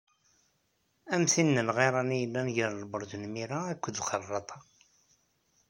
Am tin n lɣiran i yellan gar Lberǧ n Mira akked Xerraṭa.